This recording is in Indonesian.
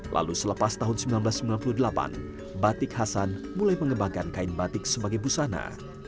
lalu selepas tahun seribu sembilan ratus sembilan puluh delapan batik hasan mulai mengembangkan kain batik sebagai busana